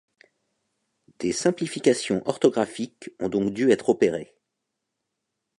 Des simplifications orthographiques ont donc dû être opérées.